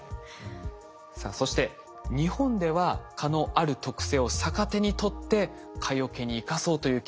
さあそして日本では蚊のある特性を逆手にとって蚊よけに生かそうという研究が進んでいるんです。